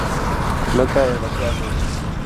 Planta herbácea anual.